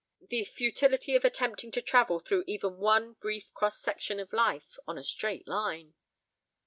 The futility of attempting to travel through even one brief cross section of life on a straight line!